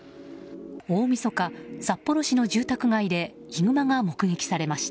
大みそか、札幌市の住宅街でヒグマが目撃されました。